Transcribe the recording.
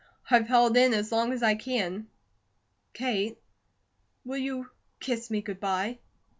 I've held in as long as I can. Kate, will you kiss me good bye?"